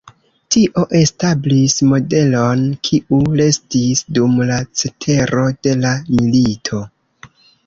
Tio establis modelon, kiu restis dum la cetero de la milito.